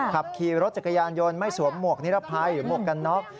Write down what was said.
ขับขี่รถจักรยานยนต์ไม่สวมหมวกนิรภัยหรือหมวกกันน็อก